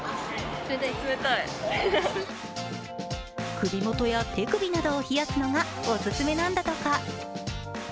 首元や手首などを冷やすのがオススメなんだとか。